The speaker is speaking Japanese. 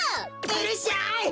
うるしゃい！